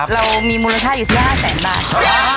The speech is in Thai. เรามีมูลค่าอยู่ที่๕แสนบาท